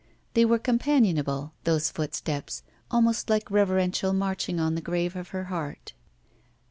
They were companionable, those footsteps, almost like reverential marching on the grave of her heart.